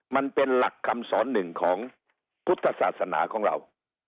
มันเป็นหลักคำสอนหนึ่งของพุทธศาสนาของเรา